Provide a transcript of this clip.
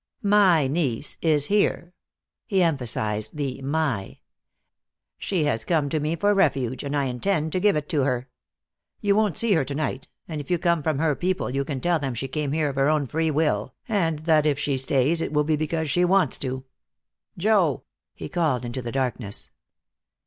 My niece is here." He emphasized the "my." "She has come to me for refuge, and I intend to give it to her. You won't see her to night, and if you come from her people you can tell them she came here of her own free will, and that if she stays it will be because she wants to. Joe!" he called into the darkness.